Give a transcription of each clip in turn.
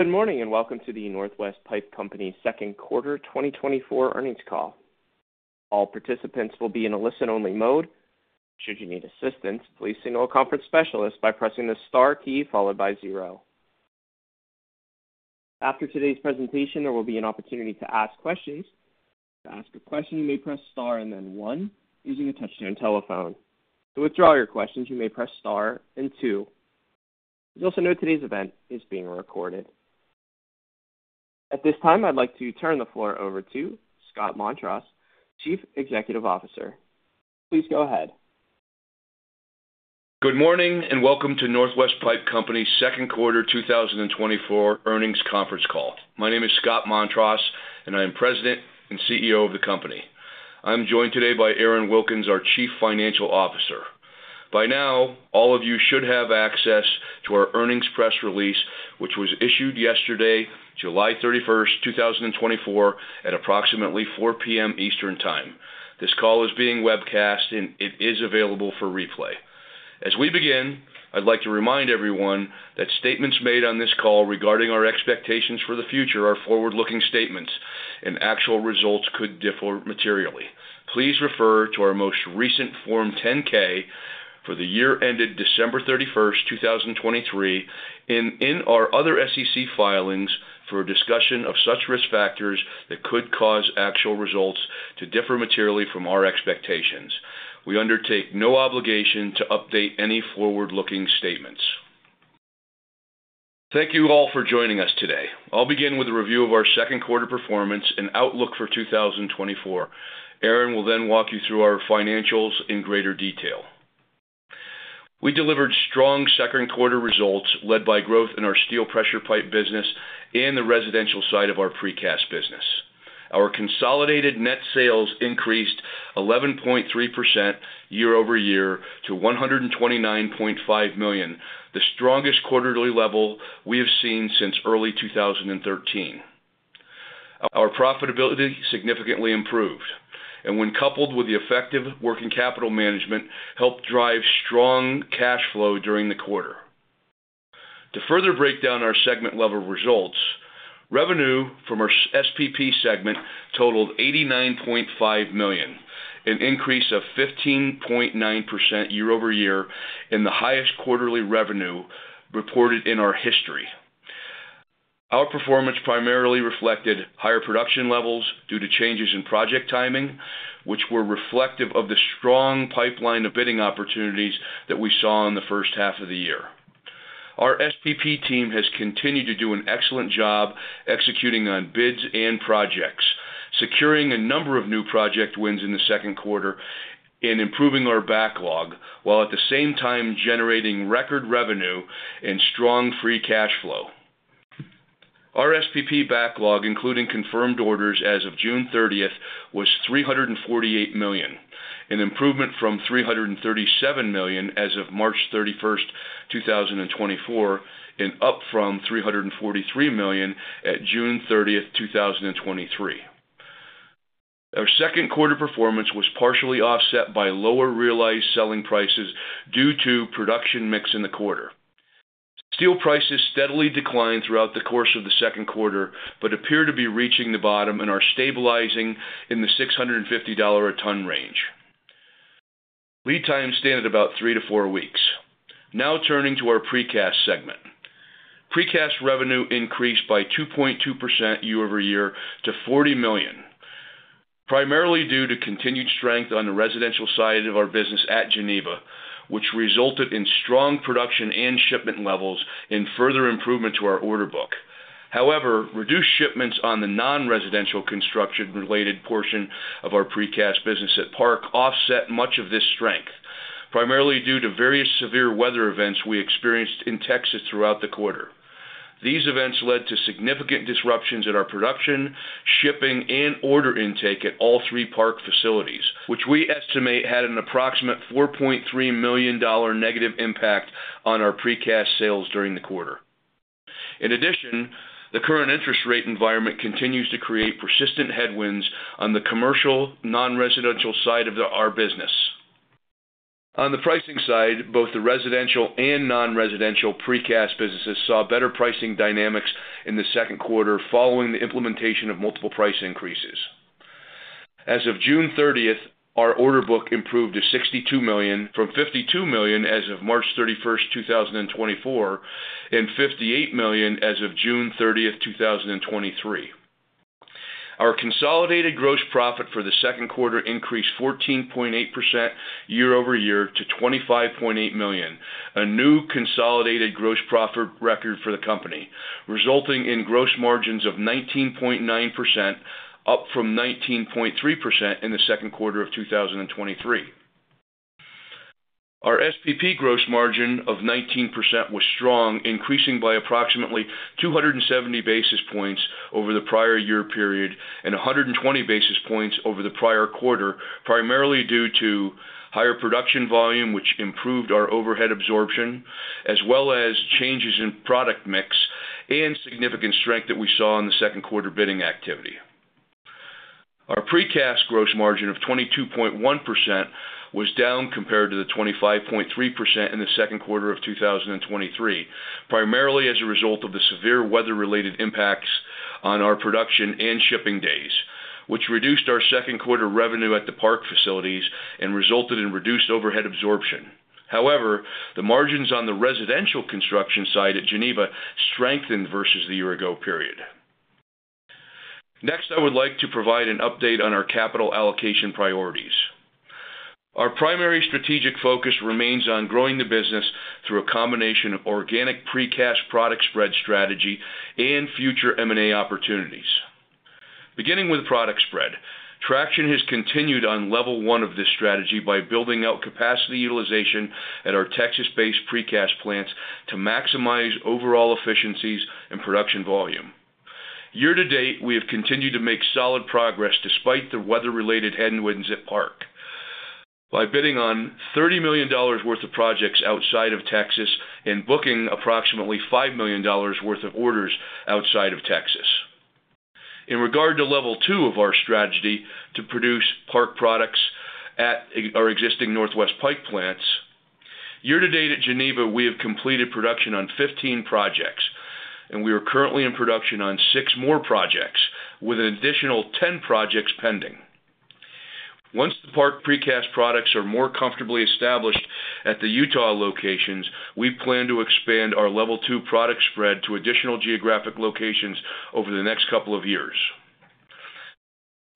Good morning and welcome to the Northwest Pipe Company's second quarter 2024 earnings call. All participants will be in a listen-only mode. Should you need assistance, please signal a conference specialist by pressing the star key followed by zero. After today's presentation, there will be an opportunity to ask questions. To ask a question, you may press star and then one using a touch-tone telephone. To withdraw your questions, you may press star and two. Please also note today's event is being recorded. At this time, I'd like to turn the floor over to Scott Montross, Chief Executive Officer. Please go ahead. Good morning and welcome to Northwest Pipe Company's second quarter 2024 earnings conference call. My name is Scott Montross, and I am President and CEO of the company. I'm joined today by Aaron Wilkins, our Chief Financial Officer. By now, all of you should have access to our earnings press release, which was issued yesterday, July 31st, 2024, at approximately 4:00 P.M. Eastern Time. This call is being webcast, and it is available for replay. As we begin, I'd like to remind everyone that statements made on this call regarding our expectations for the future are forward-looking statements, and actual results could differ materially. Please refer to our most recent Form 10-K for the year ended December 31st, 2023, and in our other SEC filings for discussion of such risk factors that could cause actual results to differ materially from our expectations. We undertake no obligation to update any forward-looking statements. Thank you all for joining us today. I'll begin with a review of our second quarter performance and outlook for 2024. Aaron will then walk you through our financials in greater detail. We delivered strong second quarter results led by growth in our steel pressure pipe business and the residential side of our precast business. Our consolidated net sales increased 11.3% year-over-year to $129.5 million, the strongest quarterly level we have seen since early 2013. Our profitability significantly improved, and when coupled with the effective working capital management, helped drive strong cash flow during the quarter. To further break down our segment-level results, revenue from our SPP segment totaled $89.5 million, an increase of 15.9% year-over-year in the highest quarterly revenue reported in our history. Our performance primarily reflected higher production levels due to changes in project timing, which were reflective of the strong pipeline of bidding opportunities that we saw in the first half of the year. Our SPP team has continued to do an excellent job executing on bids and projects, securing a number of new project wins in the second quarter and improving our backlog, while at the same time generating record revenue and strong free cash flow. Our SPP backlog, including confirmed orders as of June 30th, was $348 million, an improvement from $337 million as of March 31st, 2024, and up from $343 million at June 30th, 2023. Our second quarter performance was partially offset by lower realized selling prices due to production mix in the quarter. Steel prices steadily declined throughout the course of the second quarter but appear to be reaching the bottom and are stabilizing in the $650 a ton range. Lead times stand at about three to four weeks. Now turning to our precast segment. Precast revenue increased by 2.2% year-over-year to $40 million, primarily due to continued strength on the residential side of our business at Geneva, which resulted in strong production and shipment levels and further improvement to our order book. However, reduced shipments on the non-residential construction-related portion of our precast business at Park offset much of this strength, primarily due to various severe weather events we experienced in Texas throughout the quarter. These events led to significant disruptions in our production, shipping, and order intake at all three Park facilities, which we estimate had an approximate $4.3 million negative impact on our precast sales during the quarter. In addition, the current interest rate environment continues to create persistent headwinds on the commercial non-residential side of our business. On the pricing side, both the residential and non-residential precast businesses saw better pricing dynamics in the second quarter following the implementation of multiple price increases. As of June 30th, our order book improved to $62 million, from $52 million as of March 31st, 2024, and $58 million as of June 30th, 2023. Our consolidated gross profit for the second quarter increased 14.8% year-over-year to $25.8 million, a new consolidated gross profit record for the company, resulting in gross margins of 19.9%, up from 19.3% in the second quarter of 2023. Our SPP gross margin of 19% was strong, increasing by approximately 270 basis points over the prior year period and 120 basis points over the prior quarter, primarily due to higher production volume, which improved our overhead absorption, as well as changes in product mix and significant strength that we saw in the second quarter bidding activity. Our precast gross margin of 22.1% was down compared to the 25.3% in the second quarter of 2023, primarily as a result of the severe weather-related impacts on our production and shipping days, which reduced our second quarter revenue at the Park facilities and resulted in reduced overhead absorption. However, the margins on the residential construction side at Geneva strengthened versus the year-ago period. Next, I would like to provide an update on our capital allocation priorities. Our primary strategic focus remains on growing the business through a combination of organic precast product spread strategy and future M&A opportunities. Beginning with product spread, traction has continued on level one of this strategy by building out capacity utilization at our Texas-based precast plants to maximize overall efficiencies and production volume. Year to date, we have continued to make solid progress despite the weather-related headwinds at Park by bidding on $30 million worth of projects outside of Texas and booking approximately $5 million worth of orders outside of Texas. In regard to level two of our strategy to produce Park products at our existing Northwest Pipe plants, year to date at Geneva, we have completed production on 15 projects, and we are currently in production on 6 more projects with an additional 10 projects pending. Once the Park precast products are more comfortably established at the Utah locations, we plan to expand our level two product spread to additional geographic locations over the next couple of years.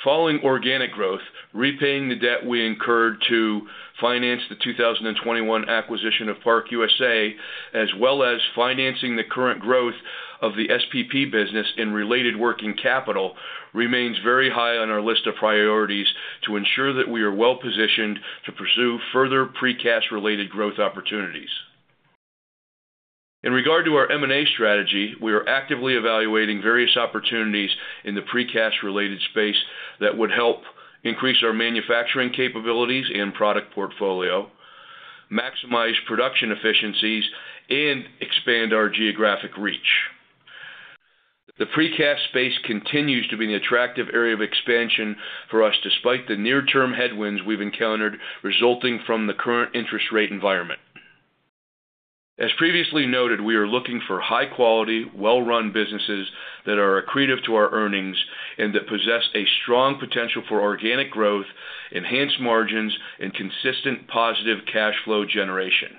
Following organic growth, repaying the debt we incurred to finance the 2021 acquisition of ParkUSA, as well as financing the current growth of the SPP business and related working capital, remains very high on our list of priorities to ensure that we are well positioned to pursue further precast-related growth opportunities. In regard to our M&A strategy, we are actively evaluating various opportunities in the precast-related space that would help increase our manufacturing capabilities and product portfolio, maximize production efficiencies, and expand our geographic reach. The precast space continues to be an attractive area of expansion for us despite the near-term headwinds we've encountered resulting from the current interest rate environment. As previously noted, we are looking for high-quality, well-run businesses that are accretive to our earnings and that possess a strong potential for organic growth, enhanced margins, and consistent positive cash flow generation.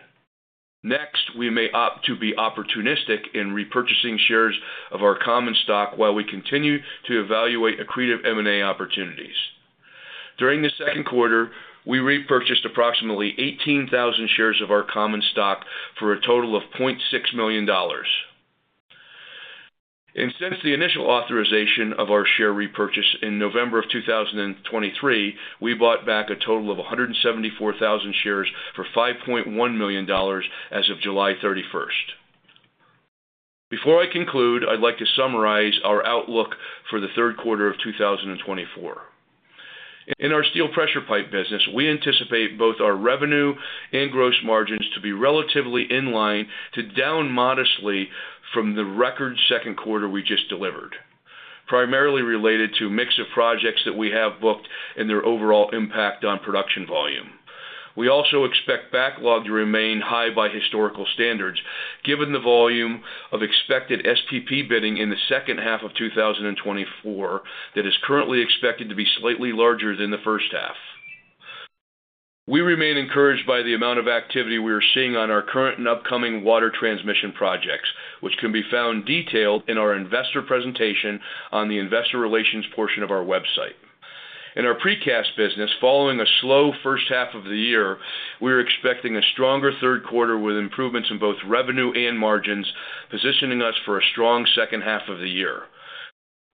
Next, we may opt to be opportunistic in repurchasing shares of our common stock while we continue to evaluate accretive M&A opportunities. During the second quarter, we repurchased approximately 18,000 shares of our common stock for a total of $0.6 million. Since the initial authorization of our share repurchase in November of 2023, we bought back a total of 174,000 shares for $5.1 million as of July 31st. Before I conclude, I'd like to summarize our outlook for the third quarter of 2024. In our steel pressure pipe business, we anticipate both our revenue and gross margins to be relatively in line to down modestly from the record second quarter we just delivered, primarily related to a mix of projects that we have booked and their overall impact on production volume. We also expect backlog to remain high by historical standards, given the volume of expected SPP bidding in the second half of 2024 that is currently expected to be slightly larger than the first half. We remain encouraged by the amount of activity we are seeing on our current and upcoming water transmission projects, which can be found detailed in our investor presentation on the investor relations portion of our website. In our precast business, following a slow first half of the year, we are expecting a stronger third quarter with improvements in both revenue and margins, positioning us for a strong second half of the year.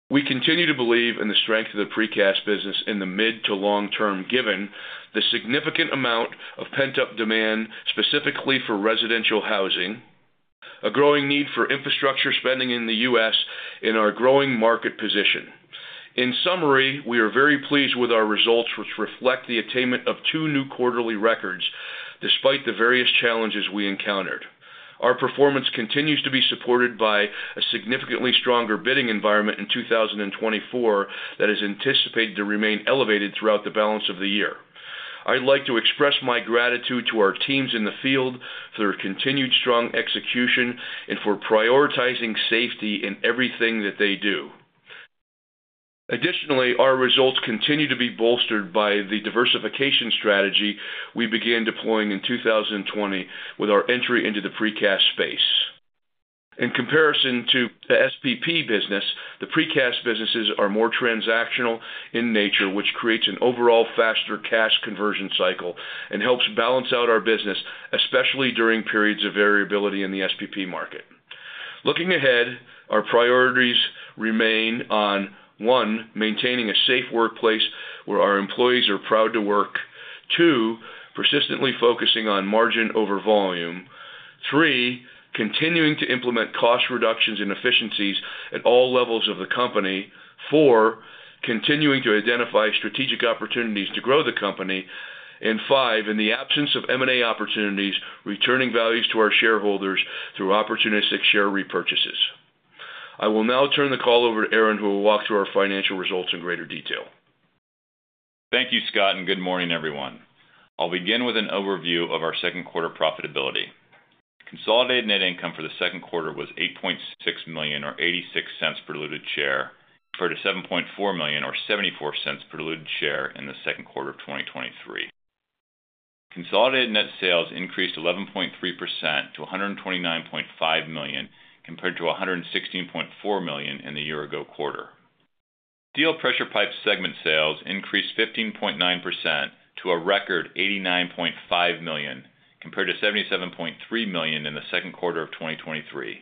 We continue to believe in the strength of the precast business in the mid to long term, given the significant amount of pent-up demand, specifically for residential housing, a growing need for infrastructure spending in the U.S., and our growing market position. In summary, we are very pleased with our results, which reflect the attainment of two new quarterly records despite the various challenges we encountered. Our performance continues to be supported by a significantly stronger bidding environment in 2024 that is anticipated to remain elevated throughout the balance of the year. I'd like to express my gratitude to our teams in the field for their continued strong execution and for prioritizing safety in everything that they do. Additionally, our results continue to be bolstered by the diversification strategy we began deploying in 2020 with our entry into the precast space. In comparison to the SPP business, the precast businesses are more transactional in nature, which creates an overall faster cash conversion cycle and helps balance out our business, especially during periods of variability in the SPP market. Looking ahead, our priorities remain on: 1, maintaining a safe workplace where our employees are proud to work, 2, persistently focusing on margin over volume, 3, continuing to implement cost reductions and efficiencies at all levels of the company, 4, continuing to identify strategic opportunities to grow the company, and 5, in the absence of M&A opportunities, returning values to our shareholders through opportunistic share repurchases. I will now turn the call over to Aaron, who will walk through our financial results in greater detail. Thank you, Scott, and good morning, everyone. I'll begin with an overview of our second quarter profitability. Consolidated net income for the second quarter was $8.6 million, or $0.86 per diluted share, compared to $7.4 million, or $0.74 per diluted share in the second quarter of 2023. Consolidated net sales increased 11.3% to $129.5 million, compared to $116.4 million in the year-ago quarter. Steel pressure pipe segment sales increased 15.9% to a record $89.5 million, compared to $77.3 million in the second quarter of 2023.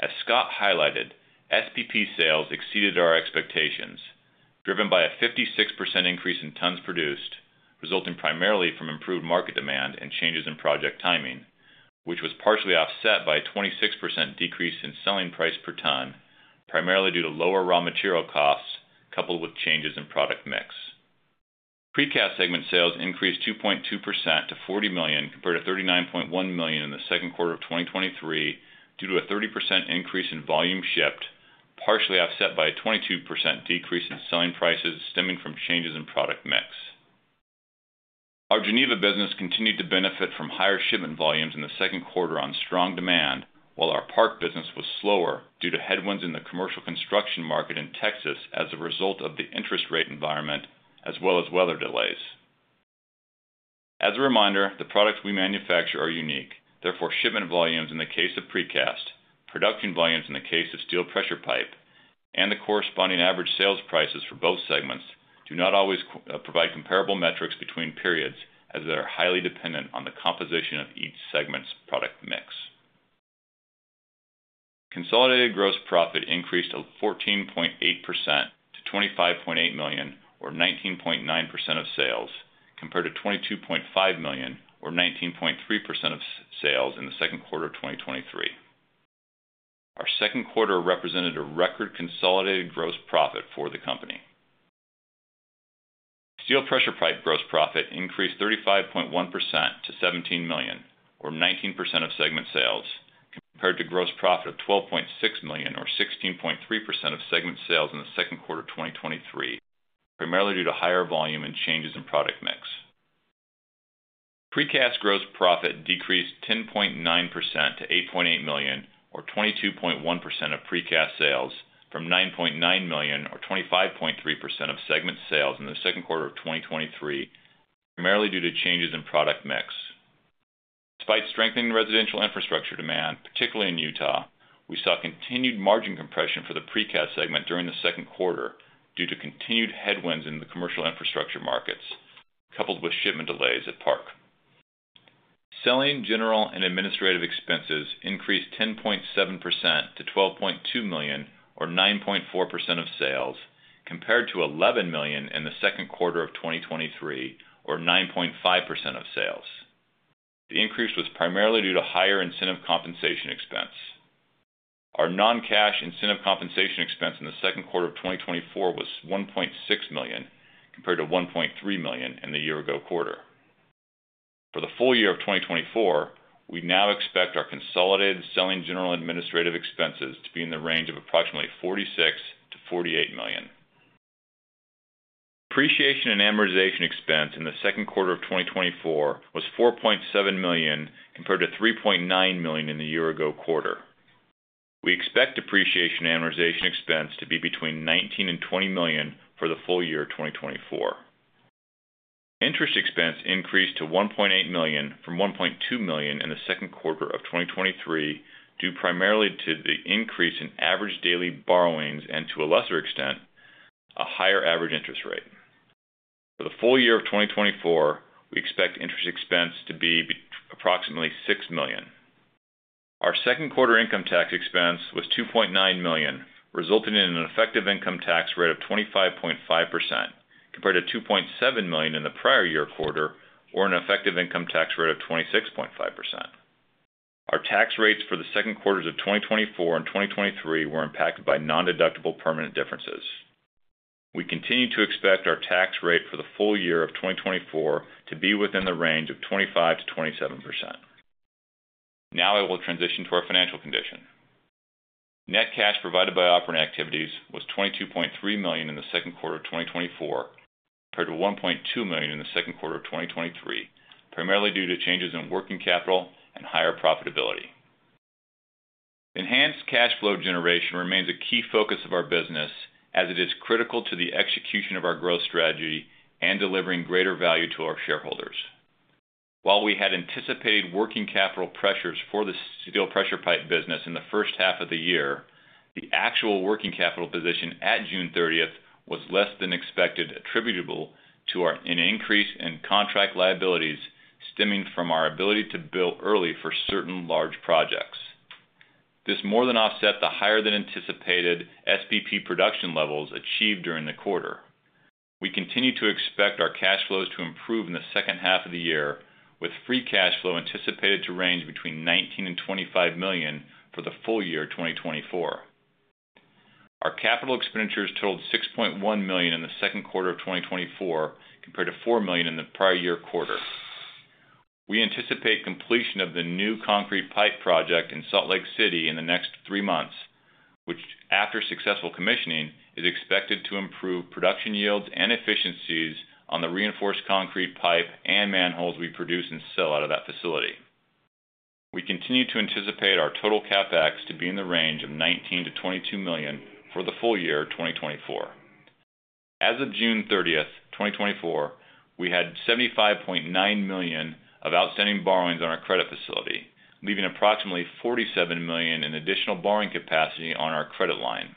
As Scott highlighted, SPP sales exceeded our expectations, driven by a 56% increase in tons produced, resulting primarily from improved market demand and changes in project timing, which was partially offset by a 26% decrease in selling price per ton, primarily due to lower raw material costs coupled with changes in product mix. Precast segment sales increased 2.2% to $40 million, compared to $39.1 million in the second quarter of 2023, due to a 30% increase in volume shipped, partially offset by a 22% decrease in selling prices stemming from changes in product mix. Our Geneva business continued to benefit from higher shipment volumes in the second quarter on strong demand, while our Park business was slower due to headwinds in the commercial construction market in Texas as a result of the interest rate environment, as well as weather delays. As a reminder, the products we manufacture are unique. Therefore, shipment volumes in the case of precast, production volumes in the case of steel pressure pipe, and the corresponding average sales prices for both segments do not always provide comparable metrics between periods, as they are highly dependent on the composition of each segment's product mix. Consolidated gross profit increased 14.8% to $25.8 million, or 19.9% of sales, compared to $22.5 million, or 19.3% of sales in the second quarter of 2023. Our second quarter represented a record consolidated gross profit for the company. Steel pressure pipe gross profit increased 35.1% to $17 million, or 19% of segment sales, compared to gross profit of $12.6 million, or 16.3% of segment sales in the second quarter of 2023, primarily due to higher volume and changes in product mix. Precast gross profit decreased 10.9% to $8.8 million, or 22.1% of precast sales, from $9.9 million, or 25.3% of segment sales in the second quarter of 2023, primarily due to changes in product mix. Despite strengthening residential infrastructure demand, particularly in Utah, we saw continued margin compression for the precast segment during the second quarter due to continued headwinds in the commercial infrastructure markets, coupled with shipment delays at Park. Selling, general, and administrative expenses increased 10.7% to $12.2 million, or 9.4% of sales, compared to $11 million in the second quarter of 2023, or 9.5% of sales. The increase was primarily due to higher incentive compensation expense. Our non-cash incentive compensation expense in the second quarter of 2024 was $1.6 million, compared to $1.3 million in the year-ago quarter. For the full year of 2024, we now expect our consolidated selling, general, and administrative expenses to be in the range of approximately $46 million-$48 million. Depreciation and amortization expense in the second quarter of 2024 was $4.7 million, compared to $3.9 million in the year-ago quarter. We expect depreciation and amortization expense to be between $19 and $20 million for the full year of 2024. Interest expense increased to $1.8 million, from $1.2 million in the second quarter of 2023, due primarily to the increase in average daily borrowings and, to a lesser extent, a higher average interest rate. For the full year of 2024, we expect interest expense to be approximately $6 million. Our second quarter income tax expense was $2.9 million, resulting in an effective income tax rate of 25.5%, compared to $2.7 million in the prior year quarter, or an effective income tax rate of 26.5%. Our tax rates for the second quarters of 2024 and 2023 were impacted by non-deductible permanent differences. We continue to expect our tax rate for the full year of 2024 to be within the range of 25%-27%. Now I will transition to our financial condition. Net cash provided by operating activities was $22.3 million in the second quarter of 2024, compared to $1.2 million in the second quarter of 2023, primarily due to changes in working capital and higher profitability. Enhanced cash flow generation remains a key focus of our business, as it is critical to the execution of our growth strategy and delivering greater value to our shareholders. While we had anticipated working capital pressures for the steel pressure pipe business in the first half of the year, the actual working capital position at June 30th was less than expected, attributable to an increase in contract liabilities stemming from our ability to bill early for certain large projects. This more than offset the higher-than-anticipated SPP production levels achieved during the quarter. We continue to expect our cash flows to improve in the second half of the year, with free cash flow anticipated to range between $19 and $25 million for the full year of 2024. Our capital expenditures totaled $6.1 million in the second quarter of 2024, compared to $4 million in the prior year quarter. We anticipate completion of the new concrete pipe project in Salt Lake City in the next three months, which, after successful commissioning, is expected to improve production yields and efficiencies on the reinforced concrete pipe and manholes we produce and sell out of that facility. We continue to anticipate our total CapEx to be in the range of $19 million-$22 million for the full year of 2024. As of June 30th, 2024, we had $75.9 million of outstanding borrowings on our credit facility, leaving approximately $47 million in additional borrowing capacity on our credit line.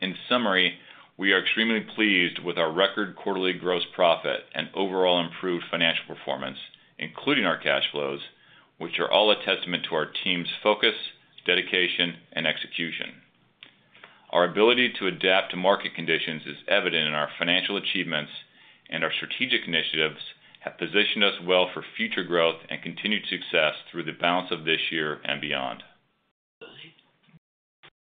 In summary, we are extremely pleased with our record quarterly gross profit and overall improved financial performance, including our cash flows, which are all a testament to our team's focus, dedication, and execution. Our ability to adapt to market conditions is evident in our financial achievements, and our strategic initiatives have positioned us well for future growth and continued success through the balance of this year and beyond.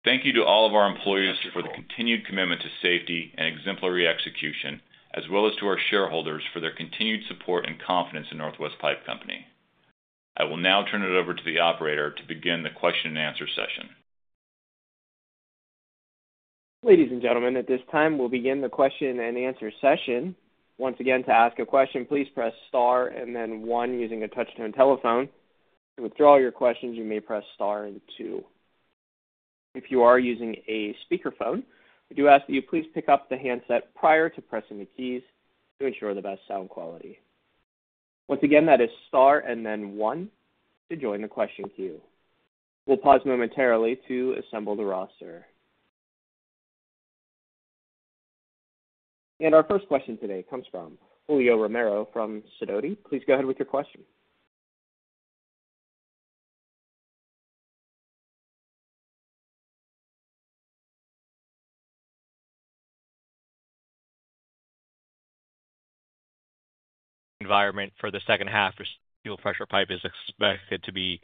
Thank you to all of our employees for the continued commitment to safety and exemplary execution, as well as to our shareholders for their continued support and confidence in Northwest Pipe Company. I will now turn it over to the operator to begin the question and answer session. Ladies and gentlemen, at this time, we'll begin the question and answer session. Once again, to ask a question, please press star and then one using a touch-tone telephone. To withdraw your questions, you may press star and two. If you are using a speakerphone, we do ask that you please pick up the handset prior to pressing the keys to ensure the best sound quality. Once again, that is star and then one to join the question queue. We'll pause momentarily to assemble the roster. And our first question today comes from Julio Romero from Sidoti. Please go ahead with your question. Environment for the second half of steel pressure pipe is expected to be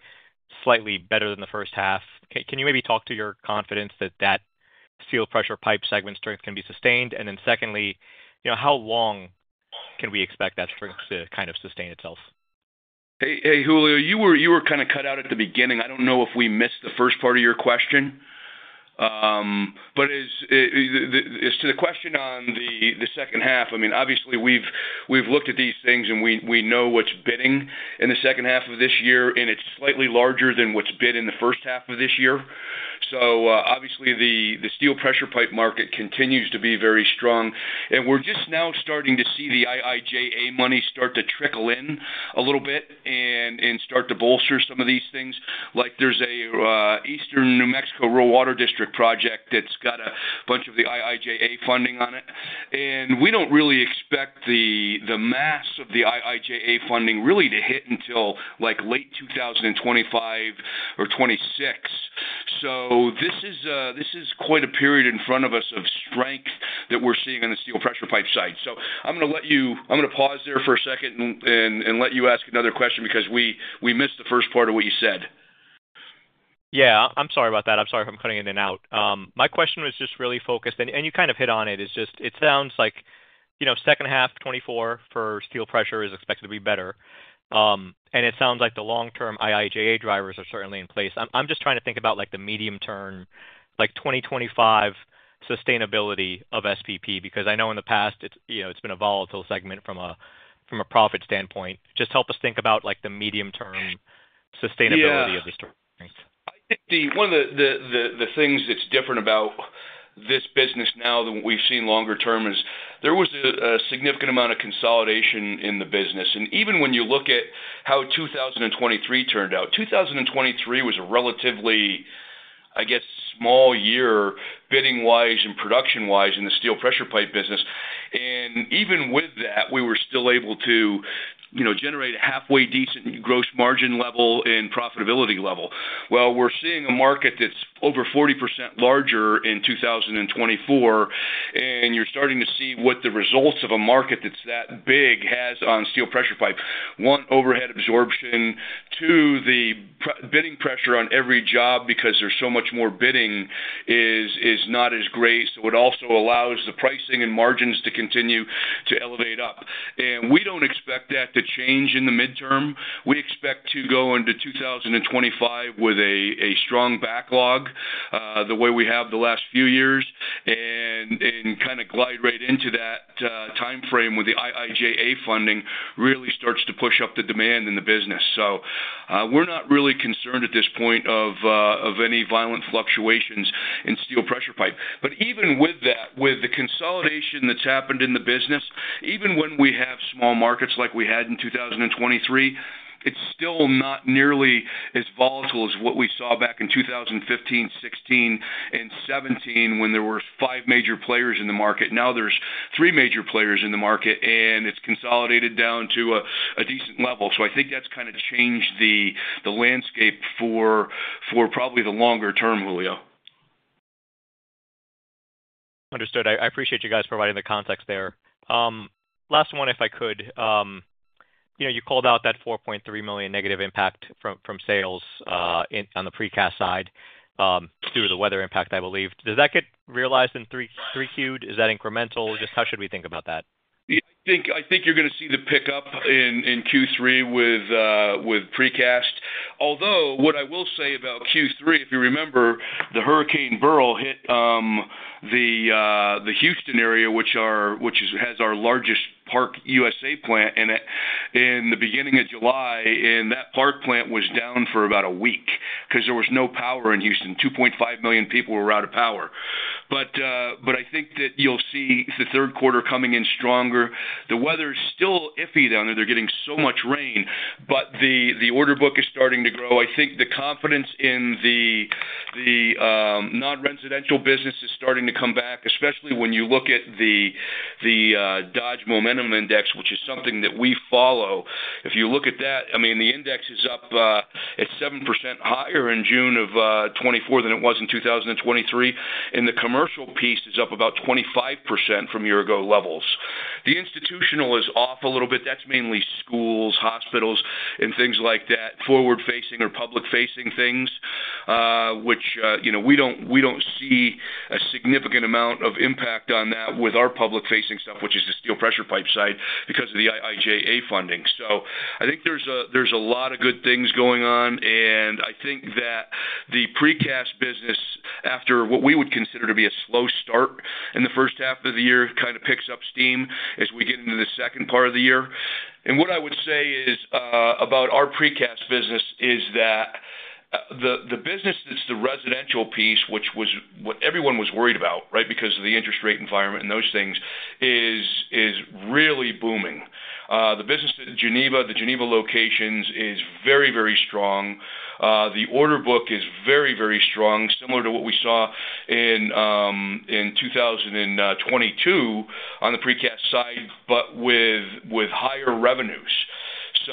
slightly better than the first half. Can you maybe talk to your confidence that that steel pressure pipe segment strength can be sustained? And then secondly, how long can we expect that strength to kind of sustain itself? Hey, Julio, you were kind of cut out at the beginning. I don't know if we missed the first part of your question. But as to the question on the second half, I mean, obviously, we've looked at these things, and we know what's bidding in the second half of this year, and it's slightly larger than what's bid in the first half of this year. So obviously, the steel pressure pipe market continues to be very strong. And we're just now starting to see the IIJA money start to trickle in a little bit and start to bolster some of these things. Like there's an Eastern New Mexico Rural Water District project that's got a bunch of the IIJA funding on it. And we don't really expect the mass of the IIJA funding really to hit until late 2025 or 2026. So this is quite a period in front of us of strength that we're seeing on the steel pressure pipe side. So, I'm going to pause there for a second and let you ask another question because we missed the first part of what you said. Yeah. I'm sorry about that. I'm sorry if I'm cutting in and out. My question was just really focused, and you kind of hit on it. It sounds like second half of 2024 for steel pressure is expected to be better. And it sounds like the long-term IIJA drivers are certainly in place. I'm just trying to think about the medium-term, like 2025 sustainability of SPP because I know in the past it's been a volatile segment from a profit standpoint. Just help us think about the medium-term sustainability of the strength. One of the things that's different about this business now than what we've seen longer term is there was a significant amount of consolidation in the business. Even when you look at how 2023 turned out, 2023 was a relatively, I guess, small year bidding-wise and production-wise in the steel pressure pipe business. Even with that, we were still able to generate a halfway decent gross margin level and profitability level. Well, we're seeing a market that's over 40% larger in 2024, and you're starting to see what the results of a market that's that big has on steel pressure pipe. One, overhead absorption. Two, the bidding pressure on every job because there's so much more bidding is not as great. So it also allows the pricing and margins to continue to elevate up. And we don't expect that to change in the midterm. We expect to go into 2025 with a strong backlog the way we have the last few years. And kind of glide right into that timeframe with the IIJA funding really starts to push up the demand in the business. So we're not really concerned at this point of any violent fluctuations in steel pressure pipe. But even with that, with the consolidation that's happened in the business, even when we have small markets like we had in 2023, it's still not nearly as volatile as what we saw back in 2015, 2016, and 2017 when there were five major players in the market. Now there's three major players in the market, and it's consolidated down to a decent level. So I think that's kind of changed the landscape for probably the longer term, Julio. Understood. I appreciate you guys providing the context there. Last one, if I could. You called out that $4.3 million negative impact from sales on the precast side due to the weather impact, I believe. Does that get realized in Q3? Is that incremental? Just how should we think about that? I think you're going to see the pickup in Q3 with precast. Although, what I will say about Q3, if you remember, the Hurricane Beryl hit the Houston area, which has our largest ParkUSA plant in the beginning of July, and that Park plant was down for about a week because there was no power in Houston. 2.5 million people were out of power. But I think that you'll see the third quarter coming in stronger. The weather is still iffy down there. They're getting so much rain, but the order book is starting to grow. I think the confidence in the non-residential business is starting to come back, especially when you look at the Dodge Momentum Index, which is something that we follow. If you look at that, I mean, the index is up at 7% higher in June of 2024 than it was in 2023. And the commercial piece is up about 25% from year-ago levels. The institutional is off a little bit. That's mainly schools, hospitals, and things like that. Forward-facing or public-facing things, which we don't see a significant amount of impact on that with our public-facing stuff, which is the steel pressure pipe side, because of the IIJA funding. So I think there's a lot of good things going on. I think that the precast business, after what we would consider to be a slow start in the first half of the year, kind of picks up steam as we get into the second part of the year. What I would say about our precast business is that the business that's the residential piece, which was what everyone was worried about, right, because of the interest rate environment and those things, is really booming. The business at Geneva, the Geneva locations, is very, very strong. The order book is very, very strong, similar to what we saw in 2022 on the precast side, but with higher revenues.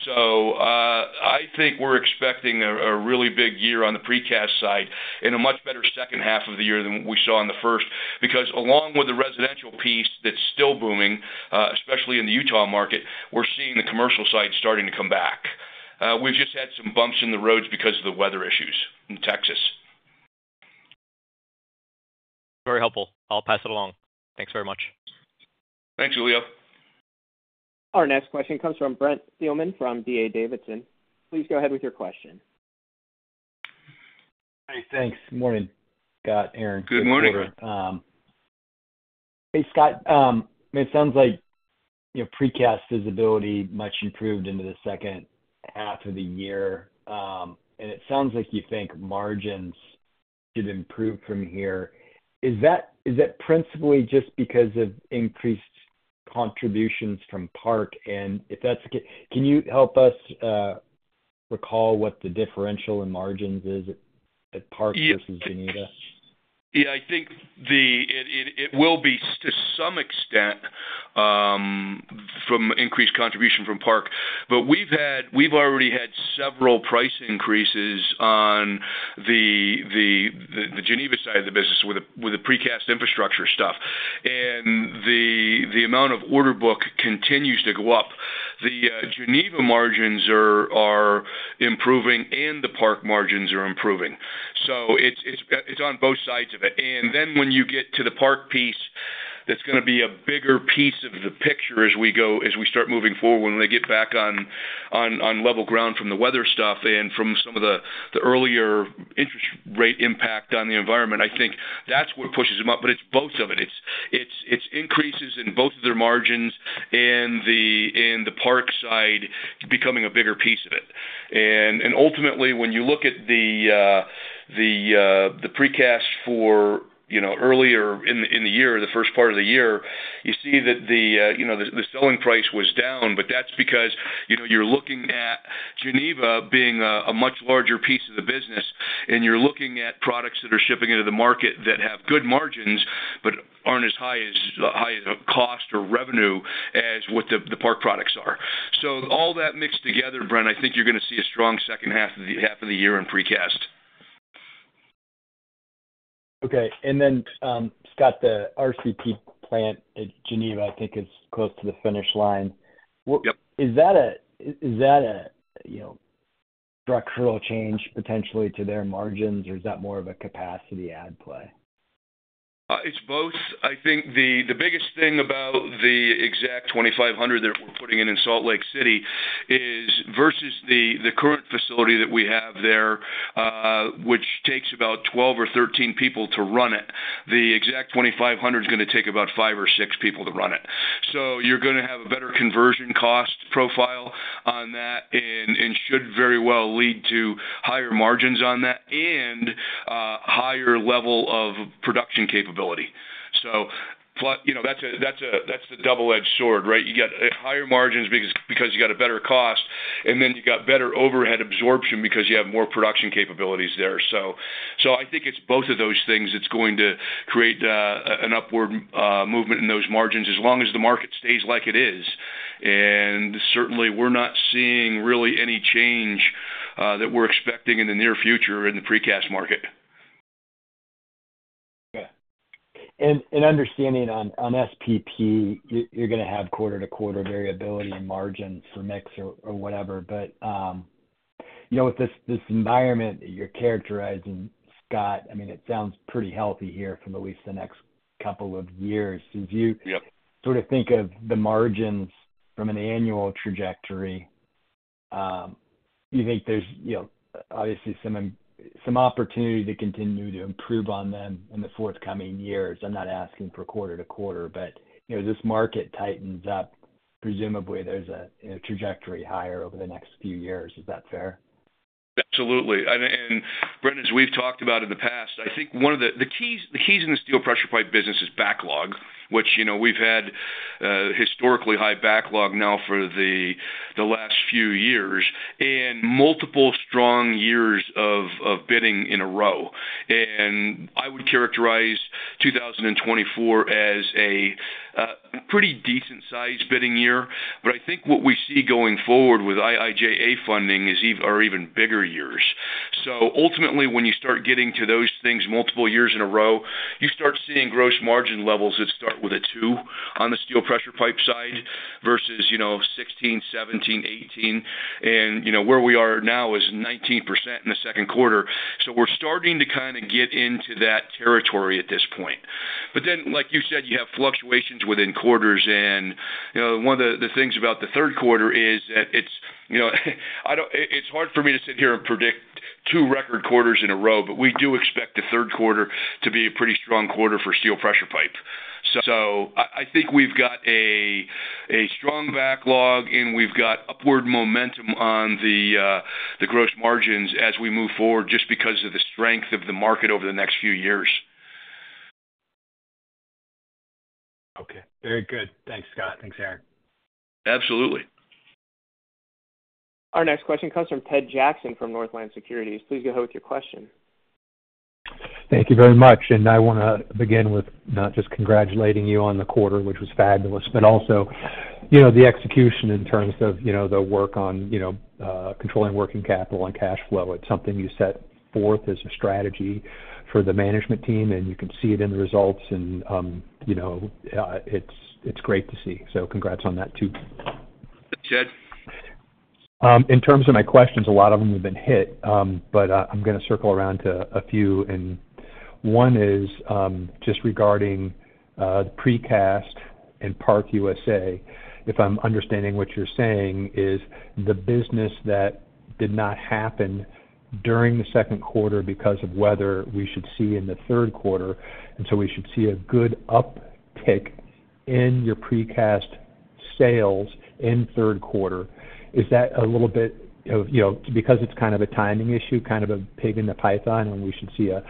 So I think we're expecting a really big year on the precast side and a much better second half of the year than we saw in the first because, along with the residential piece that's still booming, especially in the Utah market, we're seeing the commercial side starting to come back. We've just had some bumps in the roads because of the weather issues in Texas. Very helpful. I'll pass it along. Thanks very much. Thanks, Julio. Our next question comes from Brent Thielman from D.A. Davidson. Please go ahead with your question. Hi, thanks. Good morning, Scott, Aaron. Good morning. Hey, Scott. It sounds like precast visibility much improved into the second half of the year. And it sounds like you think margins should improve from here. Is that principally just because of increased contributions from Park? And if that's the case, can you help us recall what the differential in margins is at Park versus Geneva? Yeah, I think it will be to some extent from increased contribution from Park. But we've already had several price increases on the Geneva side of the business with the precast infrastructure stuff. And the amount of order book continues to go up. The Geneva margins are improving, and the Park margins are improving. So it's on both sides of it. And then when you get to the Park piece, that's going to be a bigger piece of the picture as we start moving forward when they get back on level ground from the weather stuff and from some of the earlier interest rate impact on the environment. I think that's what pushes them up. But it's both of it. It's increases in both of their margins and the Park side becoming a bigger piece of it. And ultimately, when you look at the precast for earlier in the year, the first part of the year, you see that the selling price was down, but that's because you're looking at Geneva being a much larger piece of the business, and you're looking at products that are shipping into the market that have good margins but aren't as high as cost or revenue as what the Park products are. So all that mixed together, Brent, I think you're going to see a strong second half of the year in precast. Okay. And then, Scott, the RCP plant at Geneva, I think, is close to the finish line. Is that a structural change potentially to their margins, or is that more of a capacity add play? It's both. I think the biggest thing about the Exact 2500 that we're putting in in Salt Lake City is versus the current facility that we have there, which takes about 12 or 13 people to run it, the Exact 2500 is going to take about five or six people to run it. So you're going to have a better conversion cost profile on that and should very well lead to higher margins on that and higher level of production capability. So that's the double-edged sword, right? You got higher margins because you got a better cost, and then you got better overhead absorption because you have more production capabilities there. So I think it's both of those things that's going to create an upward movement in those margins as long as the market stays like it is. And certainly, we're not seeing really any change that we're expecting in the near future in the precast market. Okay. And understanding on SPP, you're going to have quarter-to-quarter variability in margins for mix or whatever. But with this environment that you're characterizing, Scott, I mean, it sounds pretty healthy here for at least the next couple of years. As you sort of think of the margins from an annual trajectory, you think there's obviously some opportunity to continue to improve on them in the forthcoming years. I'm not asking for quarter-to-quarter, but if this market tightens up, presumably there's a trajectory higher over the next few years. Is that fair? Absolutely. And Brent, as we've talked about in the past, I think one of the keys in the steel pressure pipe business is backlog, which we've had historically high backlog now for the last few years and multiple strong years of bidding in a row. And I would characterize 2024 as a pretty decent-sized bidding year. But I think what we see going forward with IIJA funding are even bigger years. So ultimately, when you start getting to those things multiple years in a row, you start seeing gross margin levels that start with a two on the steel pressure pipe side versus 16, 17, 18. And where we are now is 19% in the second quarter. So we're starting to kind of get into that territory at this point. But then, like you said, you have fluctuations within quarters. One of the things about the third quarter is that it's hard for me to sit here and predict two record quarters in a row, but we do expect the third quarter to be a pretty strong quarter for steel pressure pipe. So I think we've got a strong backlog, and we've got upward momentum on the gross margins as we move forward just because of the strength of the market over the next few years. Okay. Very good. Thanks, Scott. Thanks, Aaron. Absolutely. Our next question comes from Ted Jackson from Northland Securities. Please go ahead with your question. Thank you very much. I want to begin with not just congratulating you on the quarter, which was fabulous, but also the execution in terms of the work on controlling working capital and cash flow. It's something you set forth as a strategy for the management team, and you can see it in the results, and it's great to see. So congrats on that too. Ted. In terms of my questions, a lot of them have been hit, but I'm going to circle around to a few. And one is just regarding precast and ParkUSA. If I'm understanding what you're saying, is the business that did not happen during the second quarter because of weather we should see in the third quarter? And so we should see a good uptick in your precast sales in third quarter. Is that a little bit because it's kind of a timing issue, kind of a pig in the python, and we should see, say,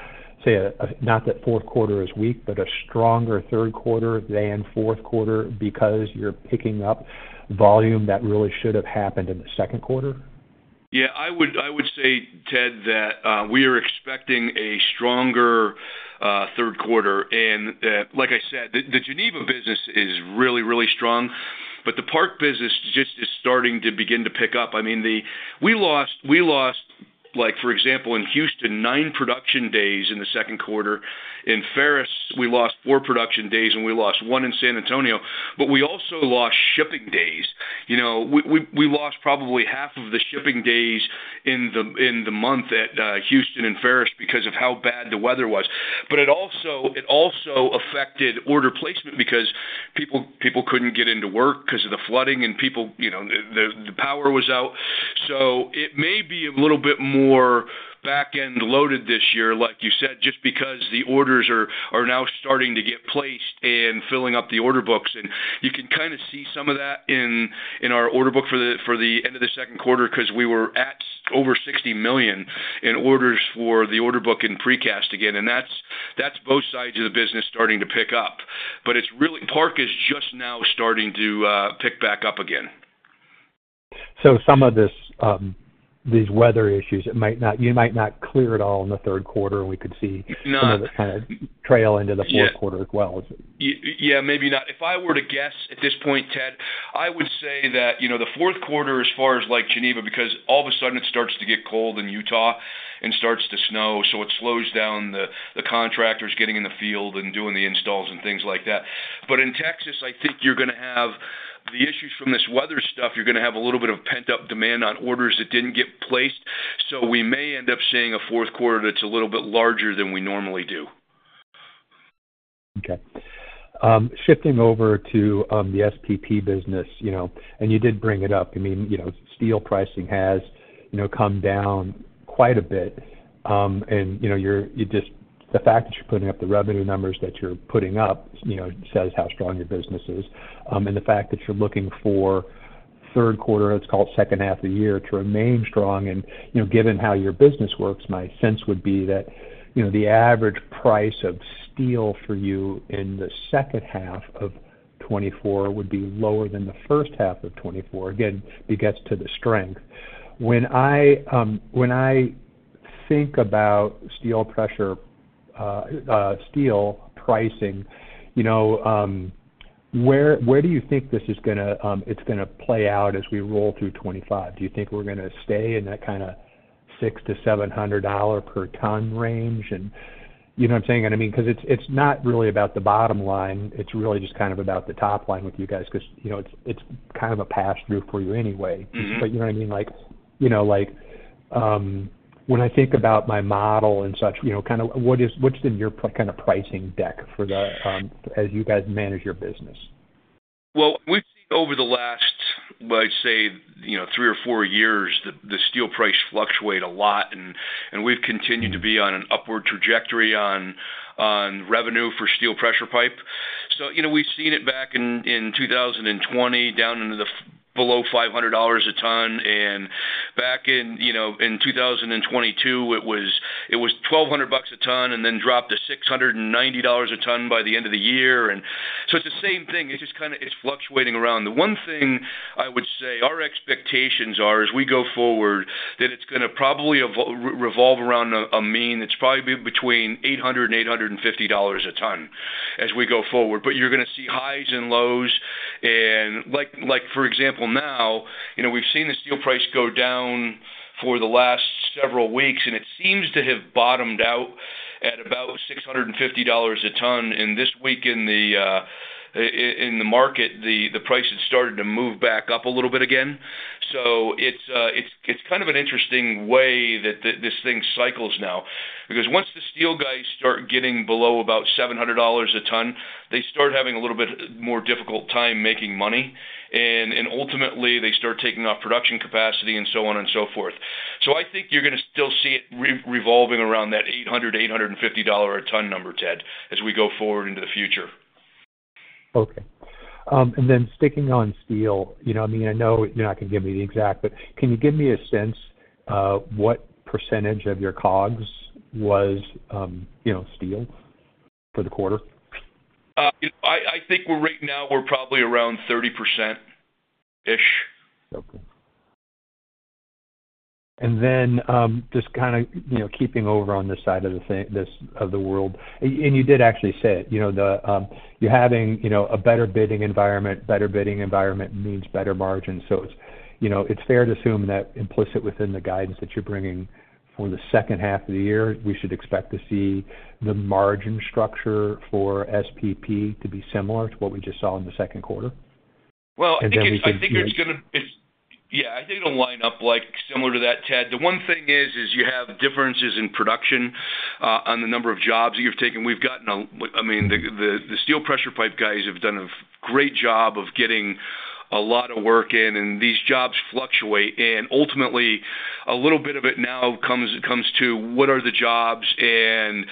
not that fourth quarter is weak, but a stronger third quarter than fourth quarter because you're picking up volume that really should have happened in the second quarter? Yeah. I would say, Ted, that we are expecting a stronger third quarter. And like I said, the Geneva business is really, really strong, but the Park business just is starting to begin to pick up. I mean, we lost, for example, in Houston, nine production days in the second quarter. In Ferris, we lost four production days, and we lost one in San Antonio. But we also lost shipping days. We lost probably half of the shipping days in the month at Houston and Ferris because of how bad the weather was. But it also affected order placement because people couldn't get into work because of the flooding, and the power was out. So it may be a little bit more back-end loaded this year, like you said, just because the orders are now starting to get placed and filling up the order books. And you can kind of see some of that in our order book for the end of the second quarter because we were at over $60 million in orders for the order book in precast again. And that's both sides of the business starting to pick up. But Park is just now starting to pick back up again. So some of these weather issues, you might not clear it all in the third quarter, and we could see some of the kind of trail into the fourth quarter as well. Yeah, maybe not. If I were to guess at this point, Ted, I would say that the fourth quarter, as far as Geneva, because all of a sudden it starts to get cold in Utah and starts to snow, so it slows down the contractors getting in the field and doing the installs and things like that. But in Texas, I think you're going to have the issues from this weather stuff. You're going to have a little bit of pent-up demand on orders that didn't get placed. So we may end up seeing a fourth quarter that's a little bit larger than we normally do. Okay. Shifting over to the SPP business, and you did bring it up. I mean, steel pricing has come down quite a bit. And the fact that you're putting up the revenue numbers that you're putting up says how strong your business is. The fact that you're looking for third quarter, it's called second half of the year, to remain strong. Given how your business works, my sense would be that the average price of steel for you in the second half of 2024 would be lower than the first half of 2024, again, because of the strength. When I think about steel pricing, where do you think this is going to play out as we roll through 2025? Do you think we're going to stay in that kind of $600-$700 per ton range? And you know what I'm saying? And I mean, because it's not really about the bottom line. It's really just kind of about the top line with you guys because it's kind of a pass-through for you anyway. But you know what I mean? When I think about my model and such, kind of what's in your kind of pricing deck as you guys manage your business? Well, we've seen over the last, I'd say, three or four years, the steel price fluctuate a lot, and we've continued to be on an upward trajectory on revenue for steel pressure pipe. So we've seen it back in 2020 down into the below $500 a ton. And back in 2022, it was $1,200 a ton and then dropped to $690 a ton by the end of the year. And so it's the same thing. It's just kind of fluctuating around. The one thing I would say our expectations are as we go forward that it's going to probably revolve around a mean that's probably between $800 and $850 a ton as we go forward. But you're going to see highs and lows. And for example, now we've seen the steel price go down for the last several weeks, and it seems to have bottomed out at about $650 a ton. And this week in the market, the price had started to move back up a little bit again. So it's kind of an interesting way that this thing cycles now because once the steel guys start getting below about $700 a ton, they start having a little bit more difficult time making money. And ultimately, they start taking off production capacity and so on and so forth. So I think you're going to still see it revolving around that $800-$850 a ton number, Ted, as we go forward into the future. Okay. And then sticking on steel, I mean, I know you're not going to give me the exact, but can you give me a sense what percentage of your COGS was steel for the quarter? I think right now we're probably around 30%-ish. Okay. And then just kind of keeping over on this side of the world, and you did actually say it, you're having a better bidding environment. Better bidding environment means better margins. So it's fair to assume that implicit within the guidance that you're bringing for the second half of the year, we should expect to see the margin structure for SPP to be similar to what we just saw in the second quarter. Well, and then we can see it. Yeah, I think it'll line up similar to that, Ted. The one thing is you have differences in production on the number of jobs that you've taken. We've gotten a—I mean, the steel pressure pipe guys have done a great job of getting a lot of work in, and these jobs fluctuate. And ultimately, a little bit of it now comes to what are the jobs, and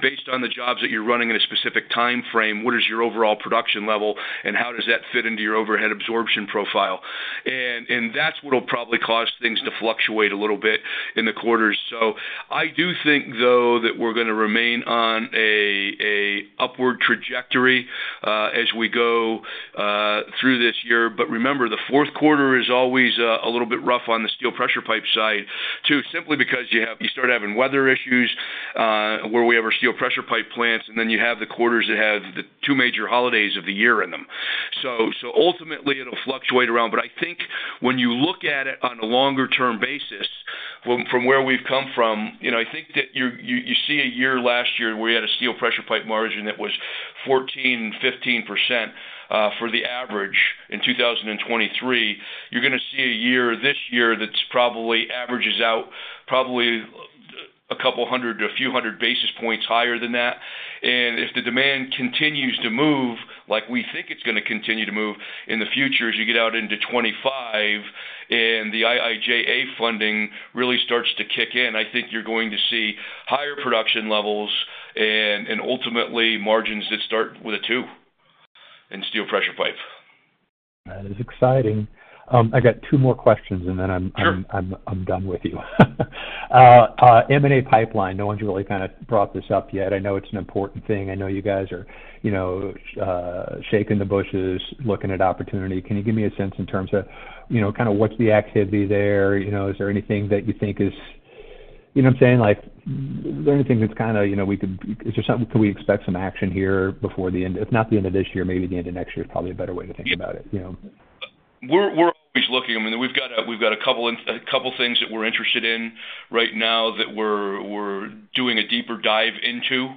based on the jobs that you're running in a specific time frame, what is your overall production level, and how does that fit into your overhead absorption profile? And that's what'll probably cause things to fluctuate a little bit in the quarters. So I do think, though, that we're going to remain on an upward trajectory as we go through this year. But remember, the fourth quarter is always a little bit rough on the steel pressure pipe side too, simply because you start having weather issues where we have our steel pressure pipe plants, and then you have the quarters that have the two major holidays of the year in them. So ultimately, it'll fluctuate around. But I think when you look at it on a longer-term basis from where we've come from, I think that you see a year last year where you had a steel pressure pipe margin that was 14%-15% for the average in 2023. You're going to see a year this year that probably averages out a couple hundred to a few hundred basis points higher than that. If the demand continues to move, like we think it's going to continue to move in the future as you get out into 2025 and the IIJA funding really starts to kick in, I think you're going to see higher production levels and ultimately margins that start with a two in steel pressure pipe. That is exciting. I got two more questions, and then I'm done with you. M&A pipeline, no one's really kind of brought this up yet. I know it's an important thing. I know you guys are shaking the bushes, looking at opportunity. Can you give me a sense in terms of kind of what's the activity there? Is there anything that you think is—you know what I'm saying? Is there anything that—can we expect some action here before the end? If not the end of this year, maybe the end of next year is probably a better way to think about it. We're always looking. I mean, we've got a couple things that we're interested in right now that we're doing a deeper dive into.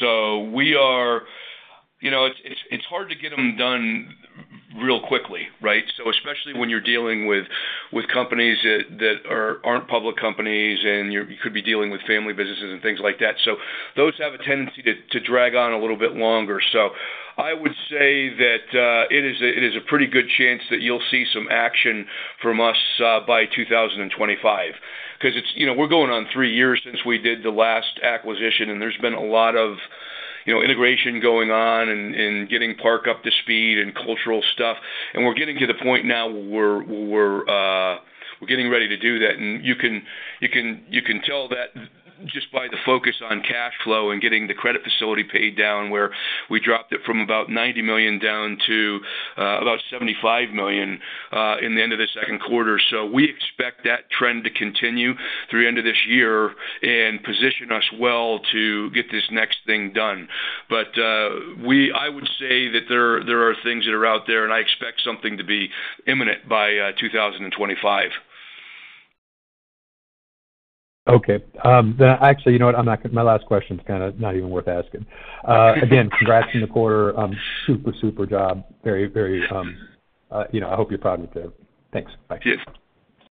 So it's hard to get them done real quickly, right? So especially when you're dealing with companies that aren't public companies, and you could be dealing with family businesses and things like that. So those have a tendency to drag on a little bit longer. So I would say that it is a pretty good chance that you'll see some action from us by 2025 because we're going on three years since we did the last acquisition, and there's been a lot of integration going on and getting Park up to speed and cultural stuff. We're getting to the point now where we're getting ready to do that. You can tell that just by the focus on cash flow and getting the credit facility paid down where we dropped it from about $90 million down to about $75 million in the end of the second quarter. We expect that trend to continue through the end of this year and position us well to get this next thing done. I would say that there are things that are out there, and I expect something to be imminent by 2025. Okay. Actually, you know what? My last question is kind of not even worth asking. Again, congrats on the quarter. Super, super job. Very, very. I hope you're proud of it. Thanks. Bye. Yes,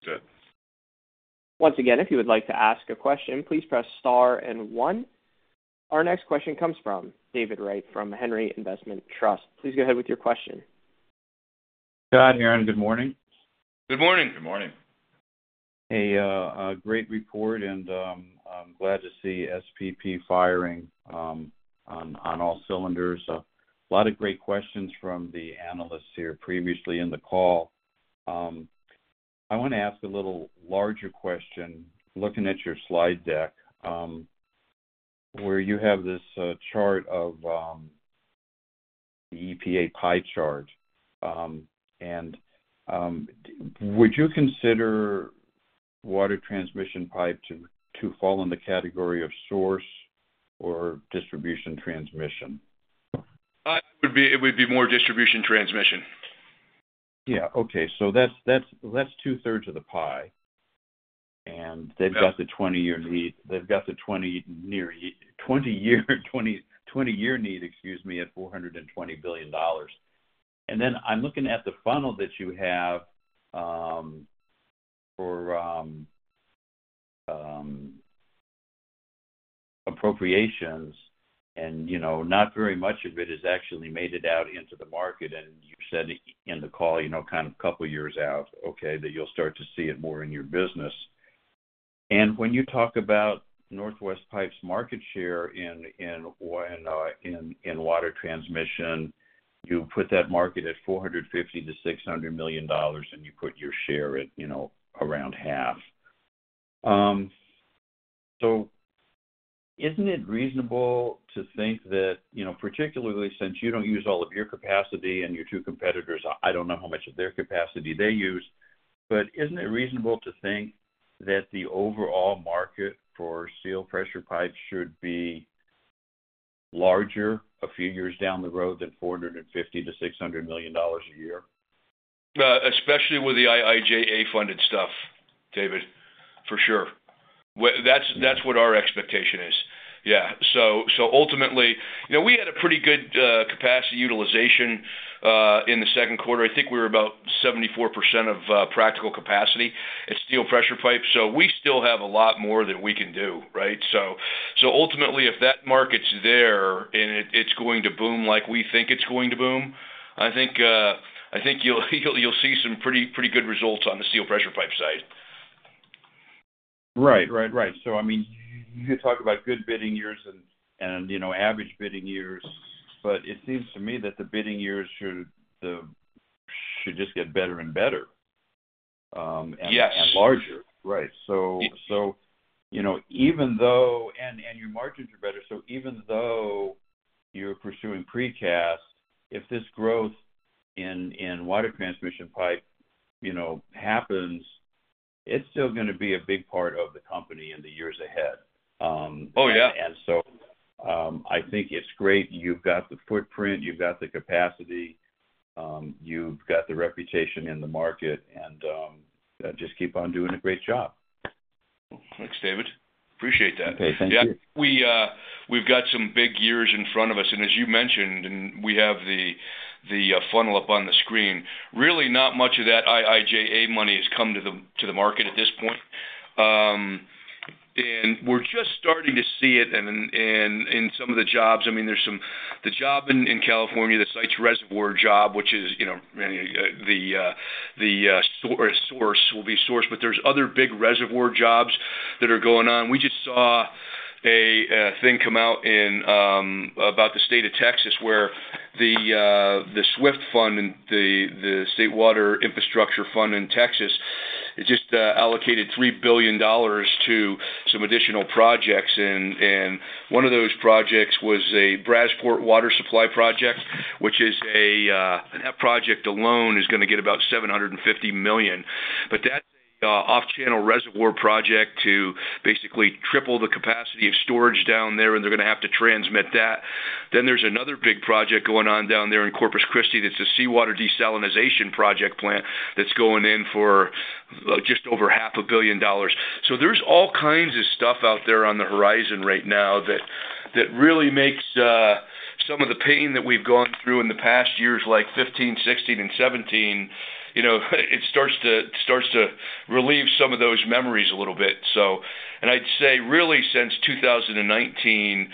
Ted. Once again, if you would like to ask a question, please press star and one. Our next question comes from David Wright from Henry Investment Trust. Please go ahead with your question. Hi, Scott and Aaron. Good morning. Good morning. Good morning. A great report, and I'm glad to see SPP firing on all cylinders. A lot of great questions from the analysts here previously in the call. I want to ask a little larger question. Looking at your slide deck where you have this chart of the EPA pie chart, would you consider water transmission pipe to fall in the category of source or distribution transmission? It would be more distribution transmission. Yeah. Okay. So that's two-thirds of the pie. And they've got the 20-year need. They've got the 20-year need, excuse me, at $420 billion. And then I'm looking at the funnel that you have for appropriations, and not very much of it is actually made it out into the market. You said in the call kind of a couple of years out, okay, that you'll start to see it more in your business. When you talk about Northwest Pipe's market share in water transmission, you put that market at $450 million-$600 million, and you put your share at around half. Isn't it reasonable to think that, particularly since you don't use all of your capacity and your two competitors, I don't know how much of their capacity they use, but isn't it reasonable to think that the overall market for steel pressure pipe should be larger a few years down the road than $450 million-$600 million a year? Especially with the IIJA-funded stuff, David, for sure. That's what our expectation is. Yeah. Ultimately, we had a pretty good capacity utilization in the second quarter. I think we were about 74% of practical capacity at steel pressure pipe. So we still have a lot more that we can do, right? So ultimately, if that market's there and it's going to boom like we think it's going to boom, I think you'll see some pretty good results on the steel pressure pipe side. Right, right, right. So I mean, you could talk about good bidding years and average bidding years, but it seems to me that the bidding years should just get better and better and larger. Right. So even though, and your margins are better, so even though you're pursuing precast, if this growth in water transmission pipe happens, it's still going to be a big part of the company in the years ahead. And so I think it's great. You've got the footprint. You've got the capacity. You've got the reputation in the market, and just keep on doing a great job. Thanks, David. Appreciate that. Okay. Thank you. We've got some big years in front of us. As you mentioned, and we have the funnel up on the screen, really not much of that IIJA money has come to the market at this point. We're just starting to see it in some of the jobs. I mean, there's the job in California, the Sites Reservoir job, which is the source will be sourced. But there's other big reservoir jobs that are going on. We just saw a thing come out about the state of Texas where the SWIFT Fund and the State Water Infrastructure Fund in Texas just allocated $3 billion to some additional projects. One of those projects was a Brazosport Water Supply Project, which is—and that project alone is going to get about $750 million. But that's an off-channel reservoir project to basically triple the capacity of storage down there, and they're going to have to transmit that. Then there's another big project going on down there in Corpus Christi. That's a seawater desalination project plant that's going in for just over $500 million. So there's all kinds of stuff out there on the horizon right now that really makes some of the pain that we've gone through in the past years, like 2015, 2016, and 2017, it starts to relieve some of those memories a little bit. And I'd say really since 2019, the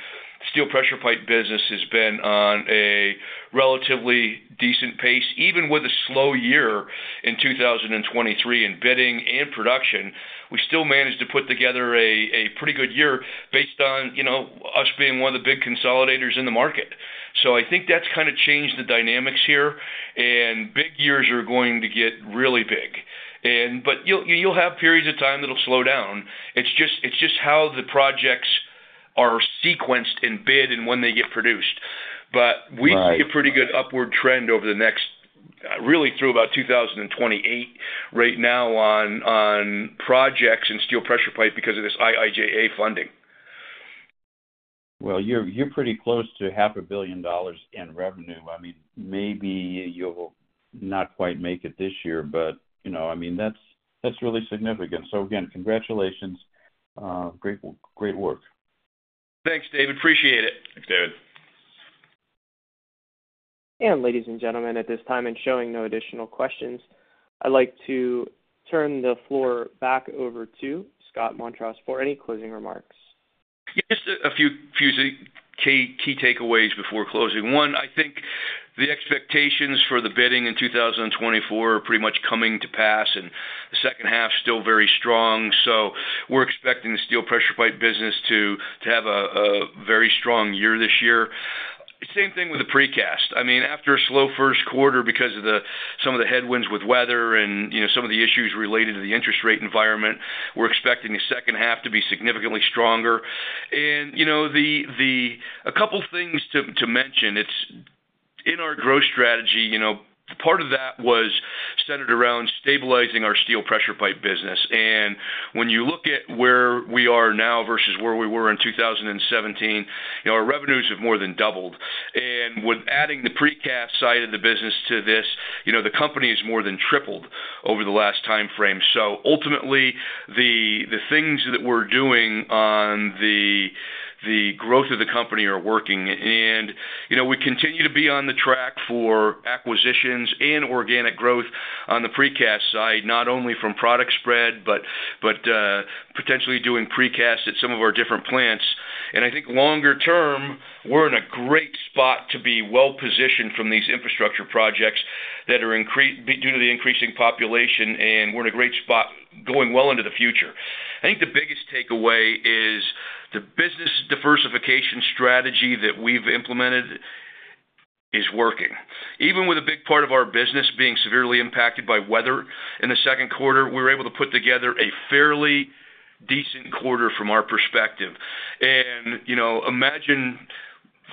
steel pressure pipe business has been on a relatively decent pace. Even with a slow year in 2023 in bidding and production, we still managed to put together a pretty good year based on us being one of the big consolidators in the market. So I think that's kind of changed the dynamics here, and big years are going to get really big. But you'll have periods of time that'll slow down. It's just how the projects are sequenced in bid and when they get produced. But we see a pretty good upward trend over the next really through about 2028 right now on projects in steel pressure pipe because of this IIJA funding. Well, you're pretty close to $500 million in revenue. I mean, maybe you'll not quite make it this year, but I mean, that's really significant. So again, congratulations. Great work. Thanks, David. Appreciate it. Thanks, David. Ladies and gentlemen, at this time, and showing no additional questions, I'd like to turn the floor back over to Scott Montross for any closing remarks. Just a few key takeaways before closing. One, I think the expectations for the bidding in 2024 are pretty much coming to pass, and the second half is still very strong. So we're expecting the steel pressure pipe business to have a very strong year this year. Same thing with the precast. I mean, after a slow first quarter because of some of the headwinds with weather and some of the issues related to the interest rate environment, we're expecting the second half to be significantly stronger. And a couple of things to mention. In our growth strategy, part of that was centered around stabilizing our steel pressure pipe business. When you look at where we are now versus where we were in 2017, our revenues have more than doubled. With adding the precast side of the business to this, the company has more than tripled over the last time frame. Ultimately, the things that we're doing on the growth of the company are working. We continue to be on the track for acquisitions and organic growth on the precast side, not only from product spread, but potentially doing precast at some of our different plants. I think longer term, we're in a great spot to be well-positioned from these infrastructure projects that are due to the increasing population, and we're in a great spot going well into the future. I think the biggest takeaway is the business diversification strategy that we've implemented is working. Even with a big part of our business being severely impacted by weather in the second quarter, we were able to put together a fairly decent quarter from our perspective. And imagine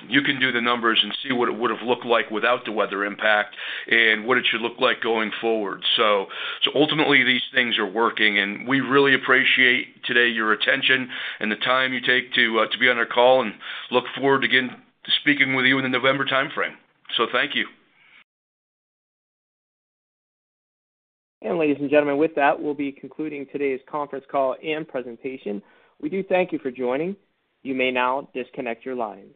you can do the numbers and see what it would have looked like without the weather impact and what it should look like going forward. So ultimately, these things are working, and we really appreciate today your attention and the time you take to be on our call and look forward to speaking with you in the November time frame. So thank you. And ladies and gentlemen, with that, we'll be concluding today's conference call and presentation. We do thank you for joining. You may now disconnect your lines.